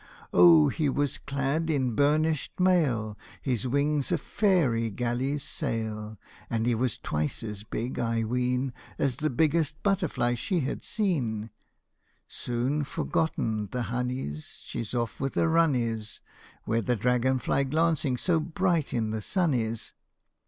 Oh, he was clad in burnished mail, His wing a fairy galley's sail, And he was twice as big, I ween, As the biggest butterfly she had seen. Soon forgotten the honey 's ; She off with a run is Where the dragon fly glancing so bright in the sun is.